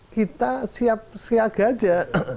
kita siap siaga aja